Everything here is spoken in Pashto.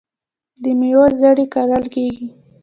د میوو زړې کرل کیږي.